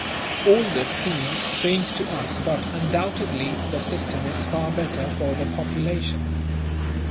All this seems strange to us but, undoubtedly, the system is far better for the population.